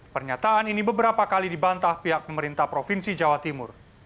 pernyataan ini beberapa kali dibantah pihak pemerintah provinsi jawa timur